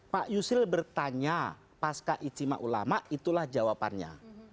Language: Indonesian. pak yusril bertanya pasca istimewa ulama itulah jawabannya